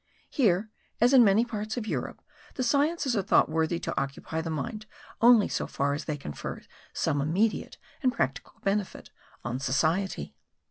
Here, as in many parts of Europe, the sciences are thought worthy to occupy the mind only so far as they confer some immediate and practical benefit on society.